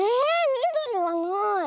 みどりがない。